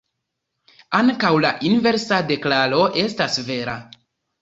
Ankaŭ la inversa deklaro estas vera.